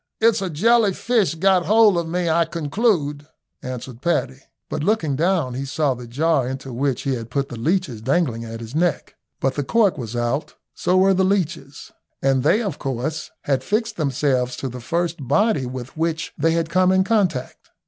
"It's a jelly fish got hold of me, I conclude," answered Paddy; but looking down he saw the jar into which he had put the leeches dangling at his neck, but the cork was out, so were the leeches, and they, of course, had fixed themselves to the first body with which they had come in contact.